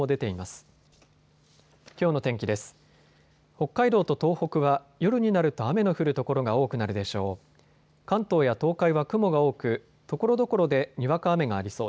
北海道と東北は夜になると雨の降る所が多くなるでしょう。